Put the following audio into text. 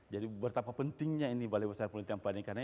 jadi berapa pentingnya ini balai besar pulau inti ampad ini